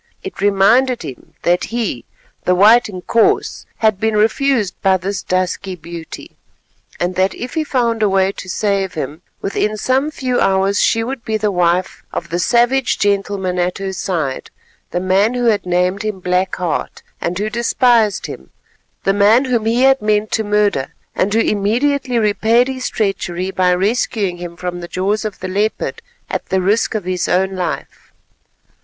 It reminded him that he, the white Inkoos, had been refused by this dusky beauty, and that if he found a way to save him, within some few hours she would be the wife of the savage gentleman at her side, the man who had named him Black Heart and who despised him, the man whom he had meant to murder and who immediately repaid his treachery by rescuing him from the jaws of the leopard at the risk of his own life.